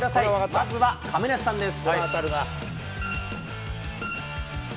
まずは亀梨さんです。